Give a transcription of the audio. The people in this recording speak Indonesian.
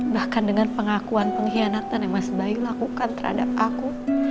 bahkan dengan pengakuan pengkhianatan yang mas bayu lakukan terhadap aku